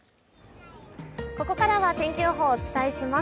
ここからは天気予報をお伝えします。